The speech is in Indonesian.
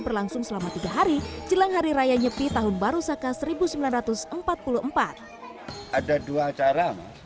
berlangsung selama tiga hari jelang hari raya nyepi tahun baru saka seribu sembilan ratus empat puluh empat ada dua acara